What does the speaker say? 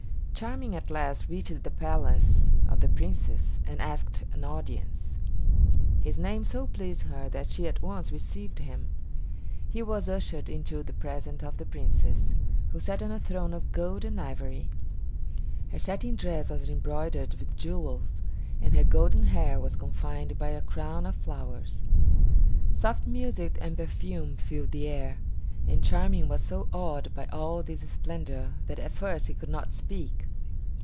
Charming at last reached the palace of the Princess, and asked an audience. His name so pleased her that she at once received him. He was ushered into the presence of the Princess, who sat on a throne of gold and ivory. Her satin dress was embroidered with jewels, and her golden hair was confined by a crown of flowers. Soft music and perfume filled the air, and Charming was so awed by all this splendor that at first he could not speak.